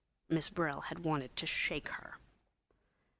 Miss Brill had wanted to shake her.